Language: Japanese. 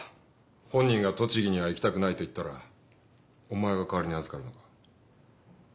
本人が栃木には行きたくないと言ったらお前が代わりに預かるのか？